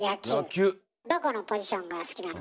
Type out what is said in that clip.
どこのポジションが好きなの？